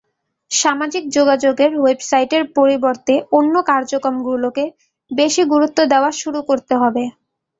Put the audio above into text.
সামাজিক যোগাযোগের ওয়েবসাইটের পরিবর্তে অন্য কার্যক্রমগুলোকে বেশি গুরুত্ব দেওয়া শুরু করতে হবে।